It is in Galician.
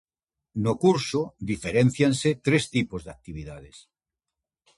No curso diferéncianse tres tipos de actividades.